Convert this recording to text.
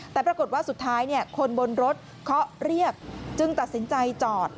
แต่ปรากฏว่าสุดท้ายคนบนรถเคาะเรียกจึงตัดสินใจจอด